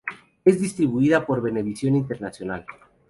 Es distribuida por Venevisión Internacional.